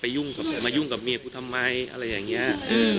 ไปยุ่งกับผมมายุ่งกับเมียกูทำไมอะไรอย่างเงี้ยอืม